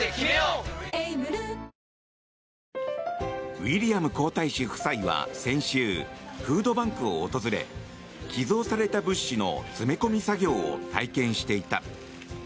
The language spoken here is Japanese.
ウィリアム皇太子夫妻は先週フードバンクを訪れ寄贈された物資の詰め込み作業を体験していた。